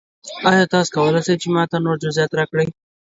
ایا تاسو کولی شئ ما ته نور جزئیات راکړئ؟